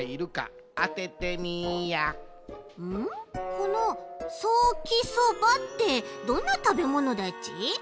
この「ソーキそば」ってどんなたべものだち？